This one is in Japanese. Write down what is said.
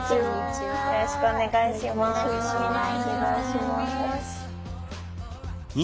よろしくお願いします。